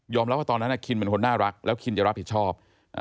รับว่าตอนนั้นคินเป็นคนน่ารักแล้วคินจะรับผิดชอบ